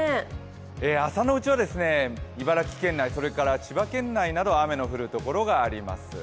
朝のうちは茨城県内、千葉県内など雨の降るところがあります。